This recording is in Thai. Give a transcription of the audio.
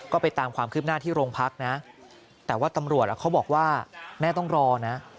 ก็ไปตามความคืบหน้าที่โรงพักนะแต่ว่าตำรวจเขาบอกว่าแม่ต้องรอนะ